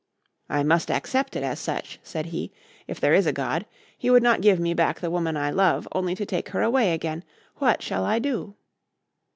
"I must accept it as such," said he. "If there is a God, He would not give me back the woman I love, only to take her away again. What shall I do?"